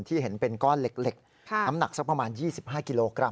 เห็นเป็นก้อนเหล็กน้ำหนักสักประมาณ๒๕กิโลกรัม